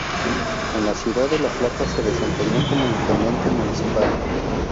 En la ciudad de La Plata se desempeñó como intendente municipal.